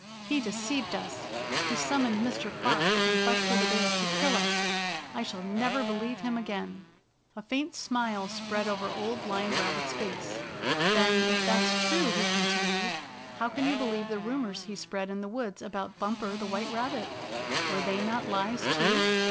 "He deceived us! He summoned Mr. Fox and Buster the Bear to kill usl I shall never believe him again!" 88 Spotted Tail Receives His Punishment A faint smile spread over Old Blind Rabbit's face. " Then, if that's true," he continued, " how can you believe the rumors he spread in the woods about Bumper the White Rabbit? Were they not lies too?"